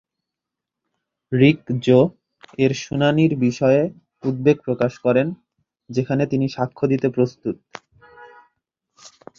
রিক Joe এর শুনানির বিষয়ে উদ্বেগ প্রকাশ করেন, যেখানে তিনি সাক্ষ্য দিতে প্রস্তুত।